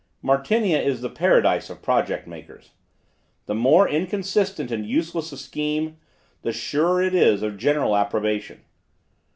Martinia is the paradise of project makers. The more inconsistent and useless a scheme, the surer is it of general approbation.